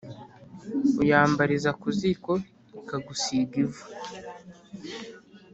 Uyambariza ku ziko ikagusiga ivu.